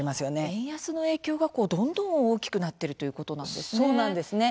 円安の影響がどんどん大きくなっているということなんですね。